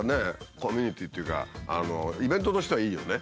コミュニティーっていうかイベントとしてはいいよね。